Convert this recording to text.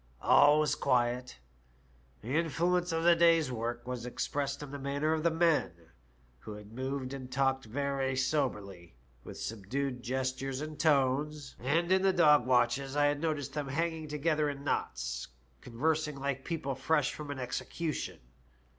All was quiet. The influence of that day's work was expressed in the manner of the men, who had moved and talked very soberly, with subdued gestures and tones, and in the dog watches I had noticed them hanging to gether in knots, conversing like people fresh from an execution.